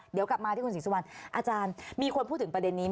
เดี๋ยวกลับมาคือประเด็นนี้